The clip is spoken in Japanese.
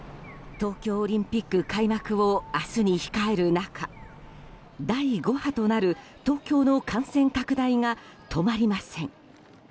東京オリンピック開幕を明日に控える中第５波となる東京の感染拡大が止まりません。